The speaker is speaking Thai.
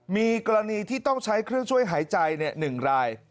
มีกรณีที่ต้องใช้เครื่องช่วยหายใจ๑ราย